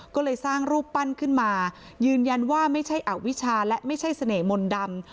ก็เลยสร้างรูปปั้นขึ้นมายืนยันว่าไม่ใช่อวิชาและไม่ใช่เสน่หมนต์ดำ